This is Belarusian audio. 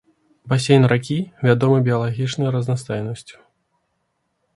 Басейн ракі вядомы біялагічнай разнастайнасцю.